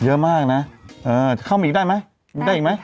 เยอะมากนะเข้ามีอีกได้ไหม